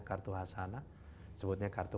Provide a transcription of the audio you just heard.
kartu khasana sebutnya kartu